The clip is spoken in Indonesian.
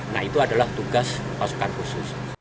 nah itu adalah tugas pasukan khusus